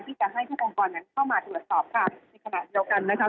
ที่จะให้ทุกองค์กรนั้นเข้ามาตรวจสอบค่ะในขณะเดียวกันนะคะ